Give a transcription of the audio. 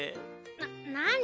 な何？